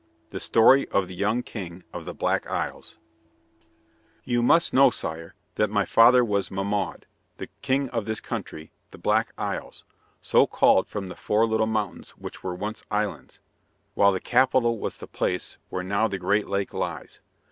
The Story of the Young King of the Black Isles You must know, sire, that my father was Mahmoud, the king of this country, the Black Isles, so called from the four little mountains which were once islands, while the capital was the place where now the great lake lies.